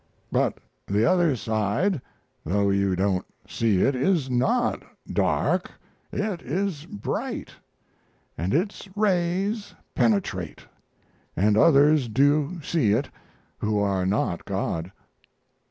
But the other side, though you don't see it, is not dark; it is bright, and its rays penetrate, and others do see it who are not God.